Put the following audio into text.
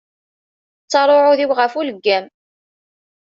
Ttaṛ uɛudiw ɣef uleggam.